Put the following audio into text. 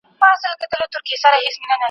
د دلارام په بازار کي د ټوکرانو لويې هټۍ سته